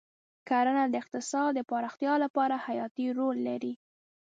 کرنه د اقتصاد د پراختیا لپاره حیاتي رول لري.